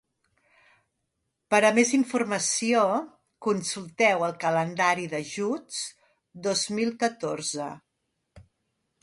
Per a més informació, consulteu el calendari d'ajuts dos mil catorze.